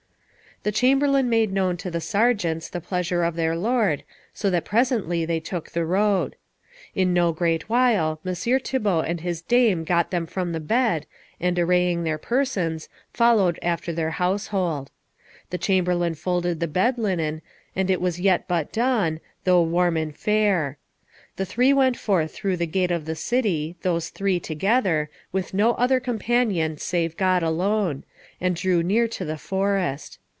The chamberlain made known to the sergeants the pleasure of their lord, so that presently they took the road. In no great while Messire Thibault and his dame got them from the bed, and arraying their persons, followed after their household. The chamberlain folded the bed linen, and it was yet but dawn, though warm and fair. The three went forth through the gate of the city, those three together, with no other companion save God alone, and drew near to the forest.